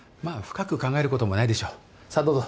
まあ深く考えることもないでしょうさあ